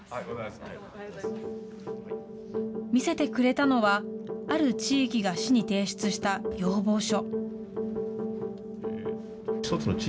見せてくれたのは、ある地域が市に提出した要望書。